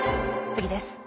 次です。